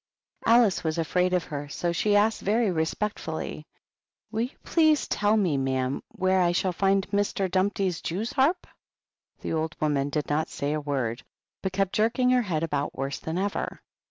Alice was afraid of her, so she asked very respectfully, " Will you please tell HUMPTY DUMPTY. me, ma'am, where I shall find Mr. Dumpty'e jeweharp ?" The old woman did not say a word, ^^^^^ but kept jerking her head about worse than ever.